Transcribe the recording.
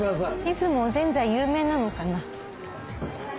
出雲おぜんざい有名なのかな？